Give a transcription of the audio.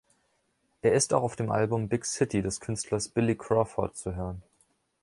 Er ist auch auf dem Album „Big City“ des Künstlers Billy Crawford zu hören.